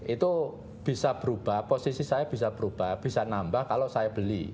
itu bisa berubah posisi saya bisa berubah bisa nambah kalau saya beli